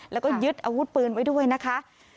แล้วก็ยึดอาวุธปืนไว้ด้วยนะคะ